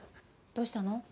どうしたの？